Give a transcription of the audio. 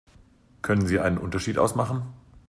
Können Sie einen Unterschied ausmachen?